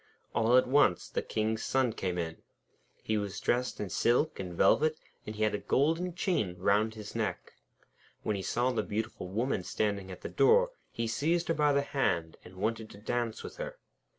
All at once the King's son came in. He was dressed in silk and velvet, and he had a golden chain round his neck. When he saw the beautiful Woman standing at the door, he seized her by the hand, and wanted to dance with her.